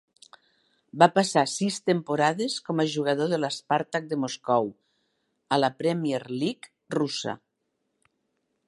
Va passar sis temporades com a jugador de l'Spartak de Moscou a la Premier League russa.